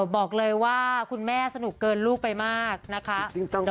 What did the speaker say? บอกเลยว่าคุณแม่สนุกเกินลูกไปมากนะคะ